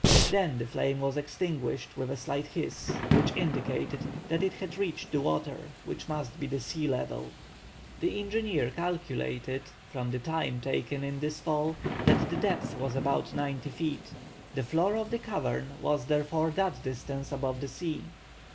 Then the flame was extinguished with a slight hiss, which indicated that it had reached the water, which must be the sea level. The engineer calculated, from the time taken in the fall, that the depth was about ninety feet. The floor of the cavern was therefore that distance above the sea.